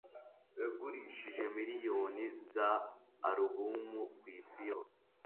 yagurishije miliyoni za alubumu kwisi yose